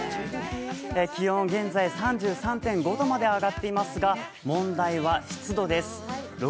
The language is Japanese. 気温、現在３３．５度まで上がっていますが、問題は湿度です。